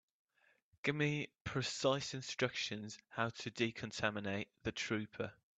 Give me precise instructions how to decontaminate the trooper.